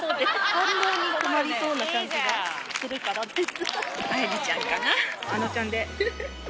反応に困りそうな感じがするからです。